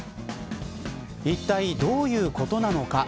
いったい、どういうことなのか。